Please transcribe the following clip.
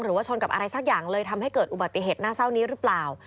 หรือว่าชนกับอะไรสักอย่างเลยทำให้เกิดอุบัติเหตุน่าเศร้านี้หรือเปล่า